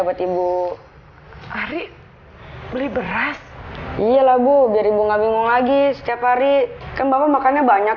dapat ibu hari beli beras iyalah bu biar ibu nggak bingung lagi setiap hari kembang makannya banyak